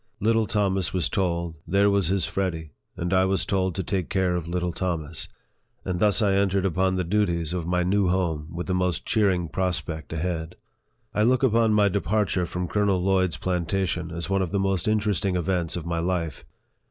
Little Thomas was told, there was his Freddy, and I was told to take care of little Thomas ; and thus I entered upon the duties of my new home with the most cheer ing prospect ahead. I look upon my departure from Colonel Lloyd's plantation as one of the most interesting events of my life.